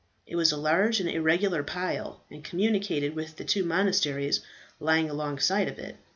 It was a large and irregular pile, and communicated with the two monasteries lying alongside of it.